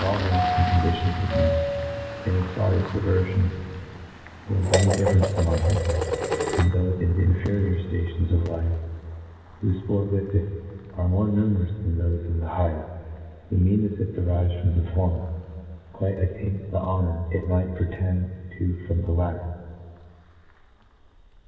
all ranks arid condi tions of men^ in as far as diverfion forms any difr ference among them ^ and, as thofe in the infe? nor ftations of life who fport with it, are more numerous than thofe in the higher, the meannefs it derivfes from the former quite attaints the ho nour it might pretend to from the latter.